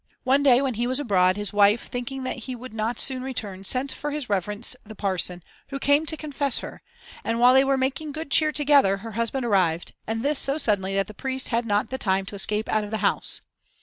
One day when he was abroad, his wife, thinking that he would not soon return, sent for his reverence the parson, who came to confess her; and while they were making good cheer together, her husband arrived, and this so suddenly that the priest had not the time to escape out of the house.